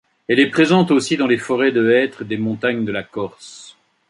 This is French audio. Elle est présente aussi dans les forêts de hêtre des montagnes de la Corse.